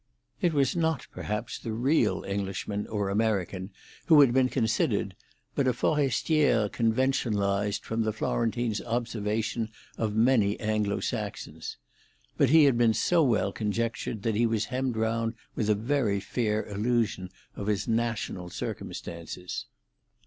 It was not, perhaps, the real Englishman or American who had been considered, but a forestière conventionalised from the Florentine's observation of many Anglo Saxons. But he had been so well conjectured that he was hemmed round with a very fair illusion of his national circumstances.